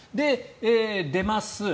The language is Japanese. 出ます。